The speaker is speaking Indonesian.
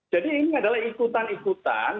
jadi ini adalah ikutan ikutan